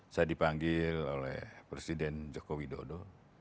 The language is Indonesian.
saya dipanggil oleh presiden jokowi dodo